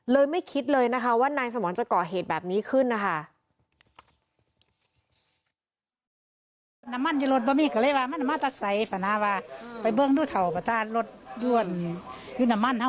ไม่คิดเลยนะคะว่านายสมรจะก่อเหตุแบบนี้ขึ้นนะคะ